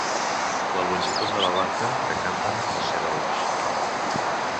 La longitud de la barca que canten els segadors.